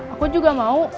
aku juga mau